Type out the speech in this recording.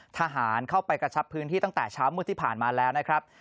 ทหารเข้าไปกระชับพื้นที่ตั้งแต่เช้ามืดที่ผ่านมาแล้วนะครับ